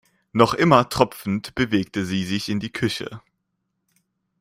Noch immer tropfend bewegte sie sich in die Küche.